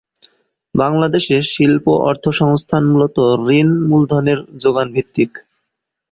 বাংলাদেশে শিল্প অর্থসংস্থান মূলত ঋণ মূলধনের যোগানভিত্তিক।